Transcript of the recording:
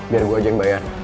biar gue ajeng bayar